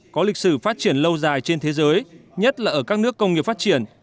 có lịch sử phát triển lâu dài trên thế giới nhất là ở các nước công nghiệp phát triển